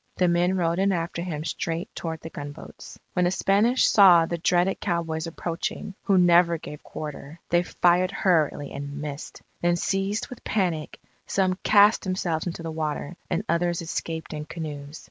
The men rode in after him straight toward the gunboats. When the Spanish saw the dreaded cowboys approaching, who never gave quarter, they fired hurriedly and missed. Then seized with panic, some cast themselves into the water, and others escaped in canoes.